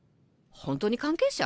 本当に関係者？